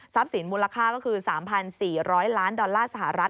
สินมูลค่าก็คือ๓๔๐๐ล้านดอลลาร์สหรัฐ